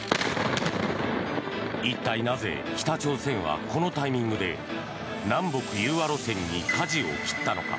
一体なぜ、北朝鮮はこのタイミングで南北融和路線にかじを切ったのか。